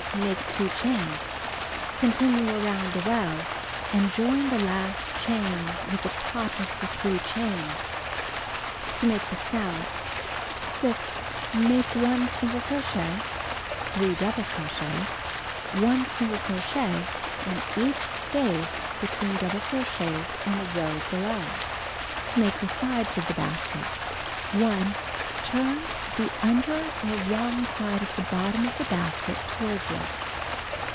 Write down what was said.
Make 2 chains. Continue around the row, and join the last chain with the top of the 3 chains. To make the Scallops : 6. Make 1 single crochet, 3 double crochets, 1 single cro chet in each space between double crochets in the row be low. To Make the Sides of the Bas ket: 1. Turn the under or wrong side of the bottom of the basket toward you.